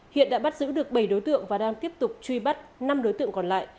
hiện đã bắt giữ được bảy đối tượng và đang tiếp tục truy bắt năm đối tượng còn lại